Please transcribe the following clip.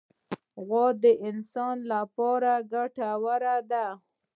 غوا د انسان له پاره ګټوره ده.